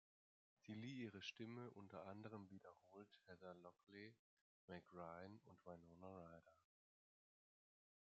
Sie lieh ihre Stimme unter anderem wiederholt Heather Locklear, Meg Ryan und Winona Ryder.